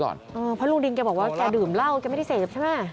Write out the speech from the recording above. เพราะลุงดินแกบอกว่าแกดื่มเหล้าแกไม่ได้เสพใช่ไหม